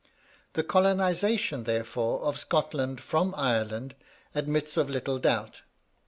The colonization, therefore, of Scotland from Ireland admits of little doubt.